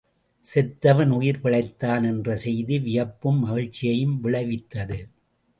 செத்தவன் உயிர் பிழைத்தான் என்ற செய்தி வியப்பும் மகிழ்ச்சியும் விளைவித்தது.